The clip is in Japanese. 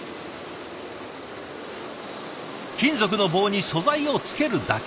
金属の棒に素材をつけるだけ。